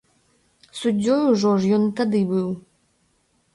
Суддзёй ужо ж ён і тады быў.